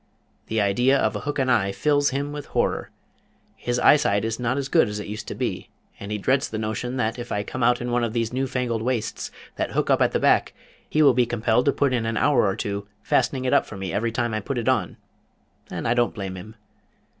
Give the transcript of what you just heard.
The idea of a hook and eye fills him with horror. His eyesight is not as good as it used to be, and he dreads the notion that if I come out in one of these new fangled waists that hook up at the back he will be compelled to put in an hour or two fastening it up for me every time I put it on, and I don't blame him.